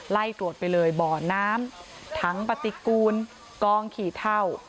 ไล่ตรวจไปเลยบ่อน้ำถังปฏิกูลกองขี่เท่า